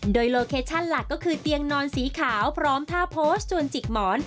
โดยโลเคชั่นหลักก็คือเตียงนอนสีขาวพร้อมท่าโพสต์ชวนจิกหมอน